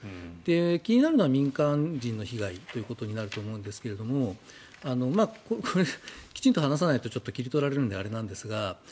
気になるのは民間人の被害ということになると思いますがきちんと話さないと切り取られるのであれなんですが